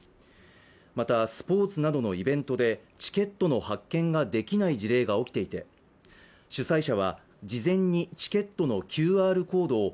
また、スポーツなどのイベントでチケットの発券ができない事例が起きていて、主催者は、事前にチケットのＱＲコードを